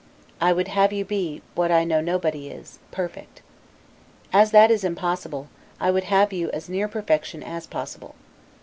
I would have you be, what I know nobody is perfect. As that is impossible, I would have you as near perfection as possible.